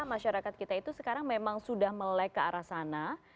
masyarakat kita itu sekarang memang sudah melek ke arah sana